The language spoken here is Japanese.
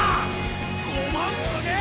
５番すげえ！